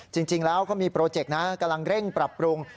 จริงแล้วเขามีโปรเจกต์นะกำลังเร่งปรับปรุง